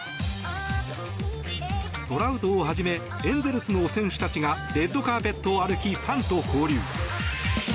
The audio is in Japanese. トラウトをはじめエンゼルスの選手たちがレッドカーペットを歩きファンと交流。